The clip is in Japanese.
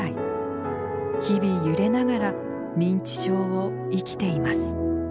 日々揺れながら認知症を生きています。